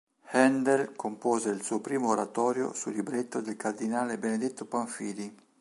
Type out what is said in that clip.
Händel compose il suo primo oratorio su libretto del cardinale Benedetto Pamphilj.